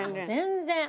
全然。